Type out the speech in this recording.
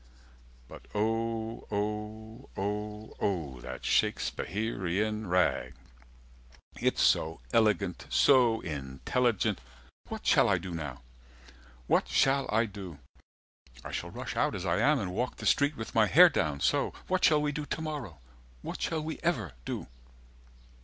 But O O O O that Shakespeherian Rag— It's so elegant So intelligent 130 "What shall I do now? What shall I do?" I shall rush out as I am, and walk the street "With my hair down, so. What shall we do tomorrow? "What shall we ever do?"